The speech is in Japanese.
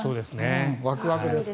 ワクワクです。